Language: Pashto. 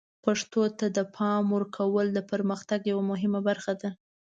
پښتو ته د پام ورکول د پرمختګ یوه مهمه برخه ده.